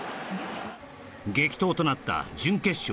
激闘となった準決勝